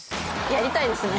やりたいですね。